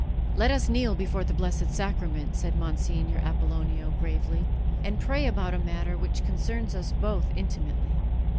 "Let us kneel before the Blessed Sacrament," said Monsignor Apollonio gravely, "and pray about a matter which concerns us both intimately."